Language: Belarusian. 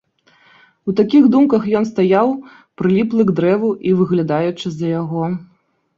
У такіх думках ён стаяў, прыліплы к дрэву і выглядаючы з-за яго.